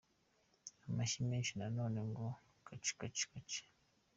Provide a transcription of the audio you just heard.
Amashyi menshi nanone ngo kaci kaci kaci kaci….